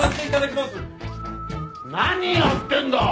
何やってんだ！